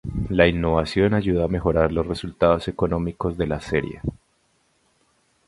La innovación ayudó a mejorar los resultados económicos de la serie.